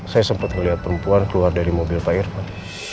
saya sempet ngeliat perempuan keluar dari mobil pak irvan